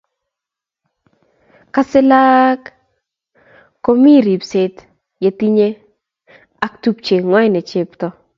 Kosei laak komi ribset ye tinyo ak tupcheng'wany ne chepto